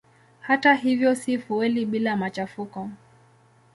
Hata hivyo si fueli bila machafuko.